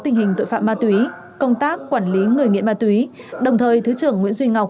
tình hình tội phạm ma túy công tác quản lý người nghiện ma túy đồng thời thứ trưởng nguyễn duy ngọc